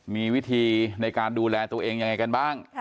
มีวิธีในการดูแลตัวเองยังไงกันบ้าง